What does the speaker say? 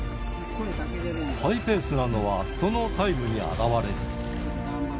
ハイペースなのは、そのタイムに表れる。